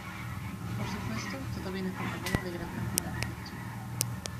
Por supuesto, todo bien acompañado de gran cantidad de ketchup.